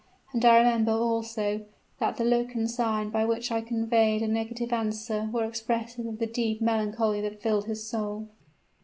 And I remember, also, that the look and the sign, by which I conveyed a negative answer were expressive of the deep melancholy that filled his soul."